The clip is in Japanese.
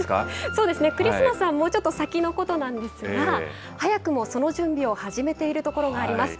そうですね、クリスマスはもうちょっと先のことなんですが、早くもその準備を始めているところがあります。